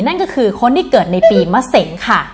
นั่นก็คือคนที่เกิดในปีมะเสงค่ะ